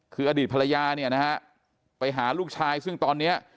คืออดีตภรรยาไปหาลูกชายซึ่งตอนนี้